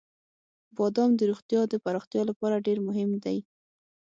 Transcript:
• بادام د روغتیا د پراختیا لپاره ډېر مهم دی.